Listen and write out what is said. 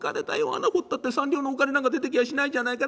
穴掘ったって三両のお金なんか出てきやしないじゃないか。